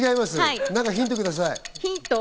ヒントください。